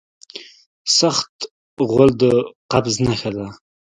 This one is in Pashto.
سخت غول د قبض نښه ده.